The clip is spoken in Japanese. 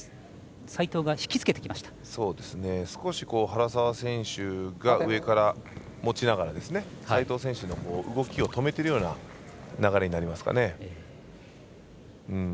原沢選手が上から持ちながら斉藤選手の動きを止めてるような流れになりますかね。